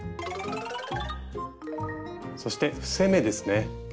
そして伏せ目ですね。